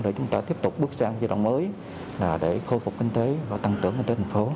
để chúng ta tiếp tục bước sang giai đoạn mới để khôi phục kinh tế và tăng trưởng kinh tế thành phố